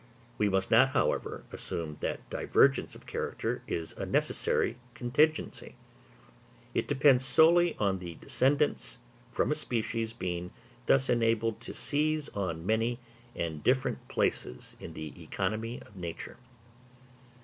We must not, however, assume that divergence of character is a necessary contingency; it depends solely on the descendants from a species being thus enabled to seize on many and different places in the economy of nature.